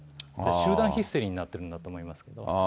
集団ヒステリーになっているんだと思いますけど。